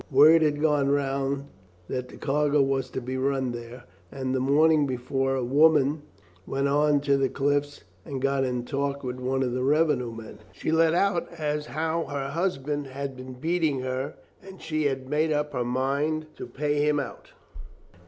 Word had gone round that the cargo was to be run there, and the morning before, a woman went on to the cliffs and got in talk with one of the revenue men. She let out, as how her husband had been beating her, and she had made up her mind to pay him out.